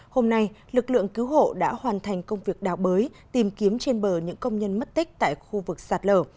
hôm nay lực lượng cứu hộ đã hoàn thành công việc đào bới tìm kiếm trên bờ những công nhân mất tích tại khu vực sạt lở